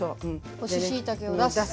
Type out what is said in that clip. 干ししいたけを出す。